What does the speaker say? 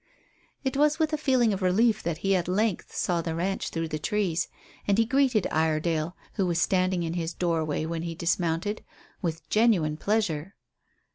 It was with a feeling of relief that he at length saw the ranch through the trees, and he greeted Iredale, who was standing in his doorway when he dismounted, with genuine pleasure.